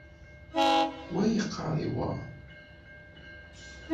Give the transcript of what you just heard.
Wa yeqqaṛ i wa.